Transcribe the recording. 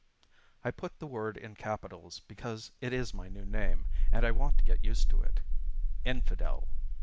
I put the word in capitals, because it is my new name, and I want to get used to it. INFIDEL!